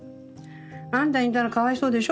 あんたに似たらかわいそうでしょ？